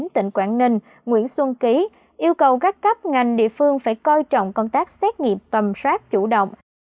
tỉnh quảng ninh nguyễn xuân ký yêu cầu các cấp ngành địa phương phải coi trọng công tác xét nghiệm tầm soát chủ động